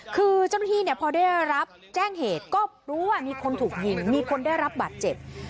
คือเจ้าหน้าที่เนี่ยพอได้รับแจ้งเหตุก็รู้ว่ามีคนถูกยิงมีคนได้รับบาดเจ็บ